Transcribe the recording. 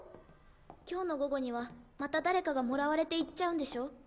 今日の午後にはまた誰かがもらわれていっちゃうんでしょ？